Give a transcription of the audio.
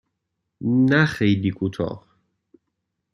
نه خیلی کوتاه.